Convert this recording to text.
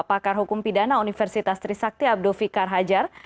pakar hukum pidana universitas trisakti abdul fikar hajar